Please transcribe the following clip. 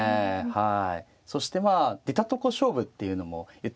はい。